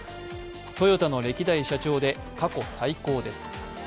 トヨタの歴代社長で過去最高です。